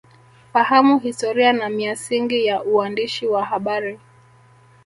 Fahamu Historia Na Miasingi Ya Uwandishi Wa Habari